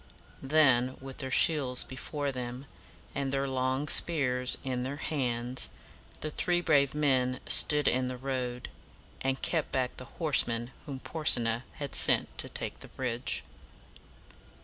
Then, with their shields before them, and their long spears in their hands, the three brave men stood in the road, and kept back the horsemen whom Porsena had sent to take the bridge.